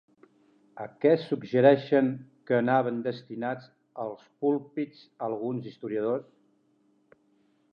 A què suggereixen que anaven destinats els púlpits alguns historiadors?